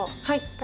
はい。